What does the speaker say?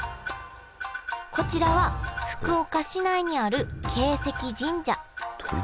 こちらは福岡市内にある鶏石神社。